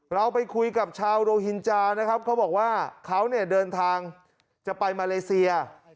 เราไปคุยกับชาวโรฮินจานะครับเขาบอกว่าเขาเนี่ยเดินทางจะไปมาเลเซีย